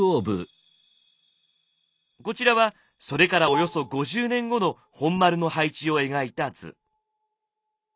こちらはそれからおよそ５０年後の本丸の配置を描いた図。